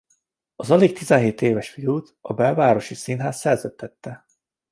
Az alig tizenhét éves fiút a Belvárosi Színház szerződtette.